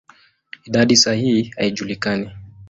Idadi sahihi haijulikani.